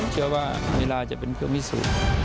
เชือว่าเหนือล่าเป็นเครื่องริสุ